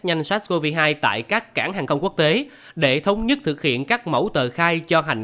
nhanh sars cov hai tại các cảng hàng không quốc tế để thống nhất thực hiện các mẫu tờ khai cho hành